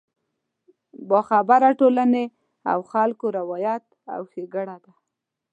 د باخبره ټولنې او خلکو روایت او ښېګړه ده.